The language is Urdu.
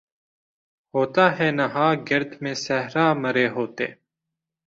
ہوتا ہے نہاں گرد میں صحرا مرے ہوتے